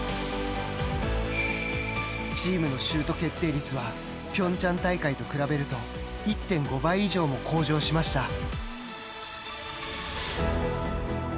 チームのシュート決定率はピョンチャン大会と比べると１．５倍以上も向上しました。